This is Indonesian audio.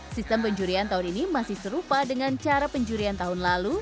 sistem penjurian tahun ini masih serupa dengan cara penjurian tahun lalu